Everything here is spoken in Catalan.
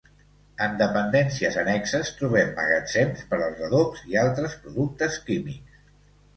En dependències annexes, trobem magatzems per als adobs i altres productes químics.